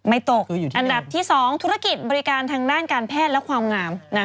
ตกอันดับที่๒ธุรกิจบริการทางด้านการแพทย์และความงาม